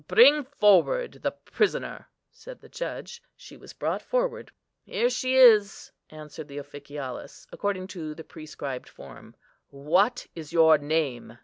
"Bring forward the prisoner," said the judge; she was brought forward. "Here she is," answered the officialis, according to the prescribed form. "What is your name?"